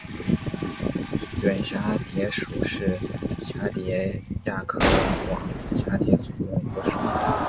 远蛱蝶属是蛱蝶亚科网蛱蝶族中的一个属。